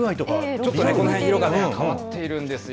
ちょっと、この辺、色が変わっているんですよ。